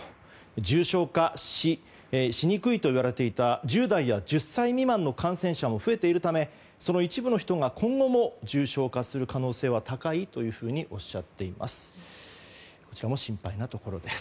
重症化しにくいといわれていた１０代や１０歳未満の感染者も増えているためその一部の人が今後も重症化する可能性は高いというふうにおっしゃっています。